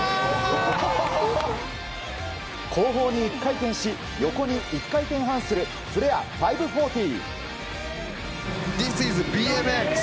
後方に１回転し横に１回転半するフレア５４０。